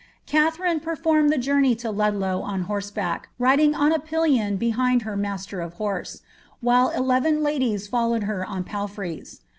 Katharine performed the journey to Ludlow on horseback, riding on a pillion behind her master of horse, while eleven ladies followed her on palfreys.